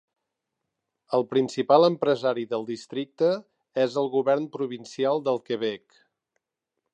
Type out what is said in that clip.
El principal empresari del districte és el govern provincial del Quebec.